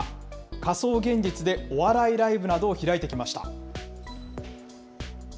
仮想現実でお笑いライブなどを開いてきました。